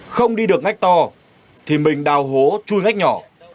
không đi được ngách to thì mình đào hố chui ngách nhỏ